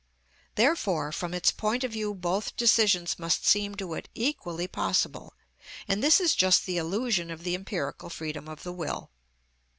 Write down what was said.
Therefore from its point of view both decisions must seem to it equally possible; and this is just the illusion of the empirical freedom of the will.